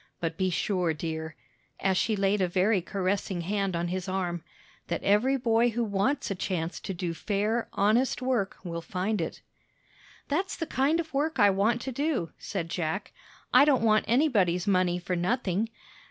But be sure, dear," as she laid a very caressing hand on his arm, "that every boy who wants a chance to do fair, honest work will find it." "That's the kind of work I want to do," said Jack. "I don't want anybody's money for nothing.